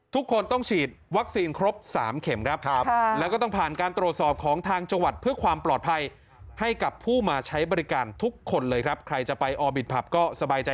ทุกคนต้องฉีดวัคซีนครบ๓เข็มครับ